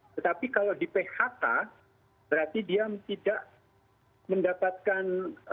tetapi kalau di phk berarti dia tidak mendapatkan